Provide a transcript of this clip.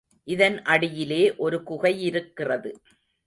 இதன் அடியிலே ஒரு குகையிருக்கிறது.